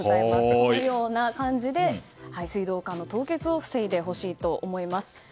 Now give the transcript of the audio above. こんな感じで水道管の凍結を防いでほしいと思います。